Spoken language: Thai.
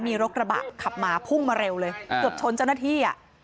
มีรถกระบะขับมาพุ่งมาเร็วเลยเกือบชนเจ้าหน้าที่อ่ะ